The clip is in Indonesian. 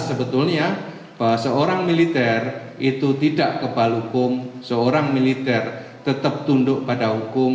sebetulnya bahwa seorang militer itu tidak kebal hukum seorang militer tetap tunduk pada hukum